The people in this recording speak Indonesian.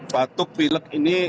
batuk pilek ini